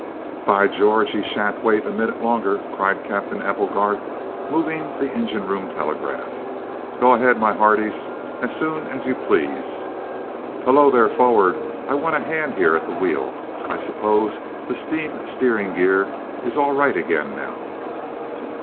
"By George, he shan't wait a minute longer!" cried Captain Applegarth, moving the engine room telegraph. "Go ahead, my hearties, as soon as you please! Hullo, there, forrad, I want a hand here at the wheel. I suppose the steam steering gear is all right again now?"